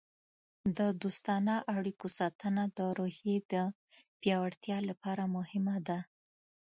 د دوستانه اړیکو ساتنه د روحیې د پیاوړتیا لپاره مهمه ده.